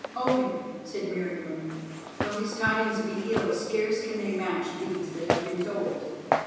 "Open!" said Meriamun, "though his tidings be ill, scarce can they match these that have been told."